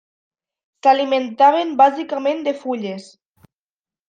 S'alimentaven bàsicament de fulles.